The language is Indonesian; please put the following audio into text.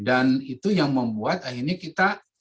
dan itu yang membuat akhirnya kita